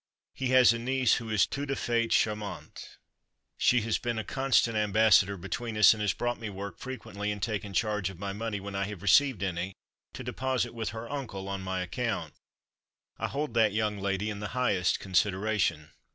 He has a niece who is toute a faite charmante. She has been a constant ambassador between us, and has brought me work frequently, and taken charge of my money when I have received any, to deposit with her uncle on my account. I hold that young lady in the highest consideration.